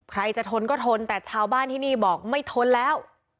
ใครจะทนก็ทนแต่ชาวบ้านที่นี่บอกไม่ทนแล้ว